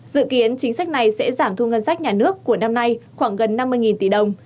dự kiến chính sách này sẽ giảm thu ngân sách nhà nước của năm nay khoảng gần năm mươi tỷ đồng